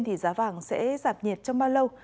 thì giá vàng sẽ giảm nhiệt trong bao lâu